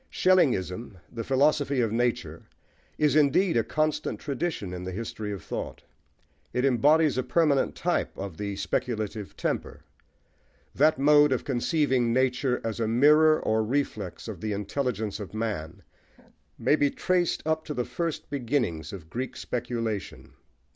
Schellingism, the "Philosophy of Nature," is indeed a constant tradition in the history of thought: it embodies a permanent type of the speculative temper. That mode of conceiving nature as a mirror or reflex of the intelligence of man may be traced up to the first beginnings of Greek speculation.